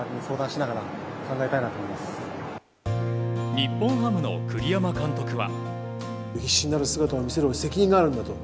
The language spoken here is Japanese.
日本ハムの栗山監督は。